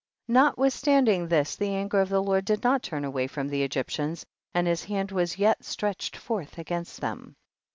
23. Notwithstanding this the an ger of the Lord did not turn away from the Egyptians, and his hand was yet stretched forth against them.